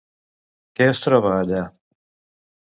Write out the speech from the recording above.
Què es troba allà?